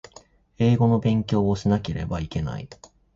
英語の勉強をしなければいけない